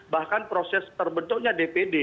bahkan proses terbentuknya dpd